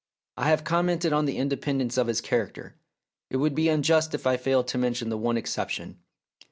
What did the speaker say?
I have commented on the independence of his character ; it would be unjust if I failed to mention the one exception.